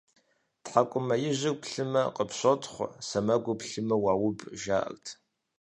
ТхьэкӀумэ ижьыр плъымэ, къыпщотхъу, сэмэгур плъымэ - уауб, жаӀэрт.